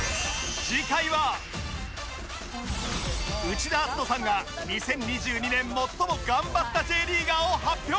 内田篤人さんが２０２２年最も頑張った Ｊ リーガーを発表！